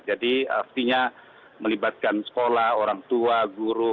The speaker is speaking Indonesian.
jadi artinya melibatkan sekolah orang tua guru